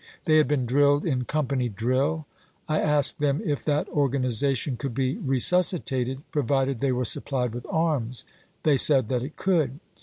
They had been drilled in company drill. I asked them if that organization could be resuscitated, pro vided they were supplied with arms. They said that it could.